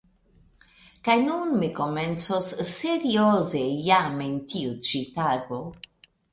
Kaj nun mi komencos serioze jam en tiu ĉi tago.